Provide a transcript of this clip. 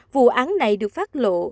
vụ án này được phát lộ